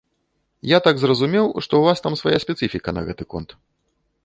Я так зразумеў, што ў вас там свая спецыфіка на гэты конт.